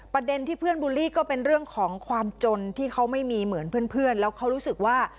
ประเด็นที่เพื่อนบูลลี่ก็เป็นเรื่องของความจนที่เขาไม่มีเหมือนเพื่อนแล้วเขารู้สึกว่า